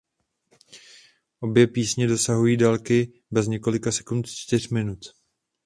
Obě písně dosahují délky bez několika sekund čtyř minut.